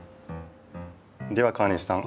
では川西さん